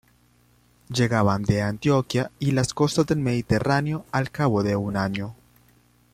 Llegaban a Antioquía y las costas del Mediterráneo al cabo de un año.